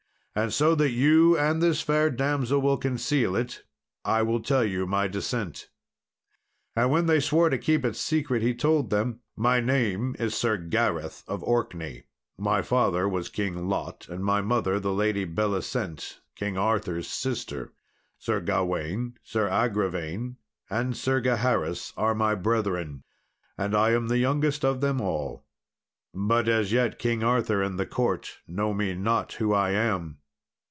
And so that you and this fair damsel will conceal it, I will tell ye my descent." And when they swore to keep it secret, he told them, "My name is Sir Gareth of Orkney, my father was King Lot, and my mother the Lady Belisent, King Arthur's sister. Sir Gawain, Sir Agravain, and Sir Gaheris, are my brethren, and I am the youngest of them all. But, as yet King Arthur and the court know me not, who I am."